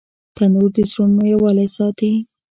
تنور د زړونو یووالی ساتي